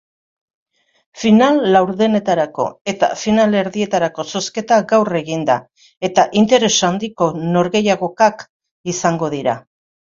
Final-laurdenetarako eta finalerdietarako zozketa gaur egin da eta interes handiko norgehiagokak izango dira.